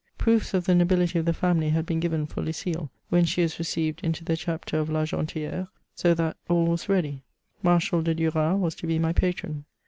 Proofs of the nobility of the family had been given for Lueile, when she was received into the chapter of L'Argenti^re ; so that all was ready. Marshal de Duras was to be my patron.